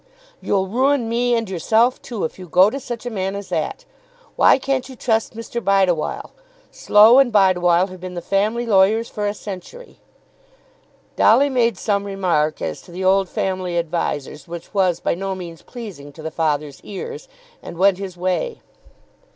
"You'll ruin me and yourself too, if you go to such a man as that. Why can't you trust Mr. Bideawhile? Slow and Bideawhile have been the family lawyers for a century." Dolly made some remark as to the old family advisers which was by no means pleasing to the father's ears, and went his way.